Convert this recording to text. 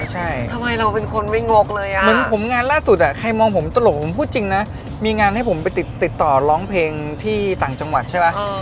เหมือนผมงานล่าสุดอ่ะใครมองผมตลกผมพูดจริงนะมีงานให้ผมไปติดต่อร้องเพลงที่ต่างจังหวัดใช่ปะ